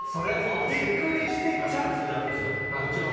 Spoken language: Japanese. ビックリしてチャンスになるんですよ、もちろん。